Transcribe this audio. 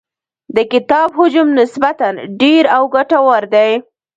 د کتاب حجم نسبتاً ډېر او ګټور دی.